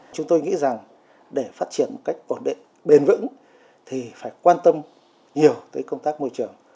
chúng tôi nghĩ rằng để phát triển một cách ổn định bền vững thì phải quan tâm nhiều tới công tác môi trường